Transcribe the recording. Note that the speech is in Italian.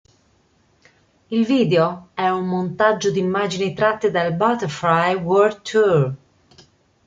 Il video è un montaggio di immagini tratte dal "Butterfly World Tour".